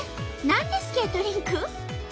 何でスケートリンク？